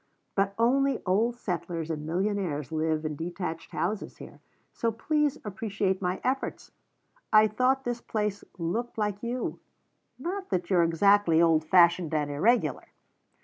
But only old settlers and millionaires live in detached houses here, so please appreciate my efforts. I thought this place looked like you not that you're exactly old fashioned and irregular."